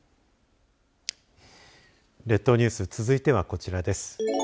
列島ニュース続いてはこちらです。